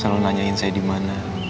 selalu nanyain saya dimana